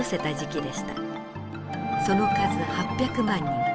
その数８００万人。